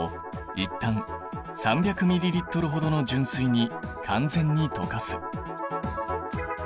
一旦３００ｍＬほどの純水に完全に溶かす。